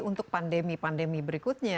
untuk pandemi pandemi berikutnya